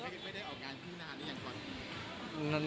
ไม่ได้ออกงานที่นานหรืออย่างค่อนข้าง